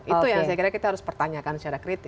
itu yang saya kira kita harus pertanyakan secara kritis